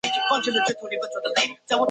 两人有着两个女儿。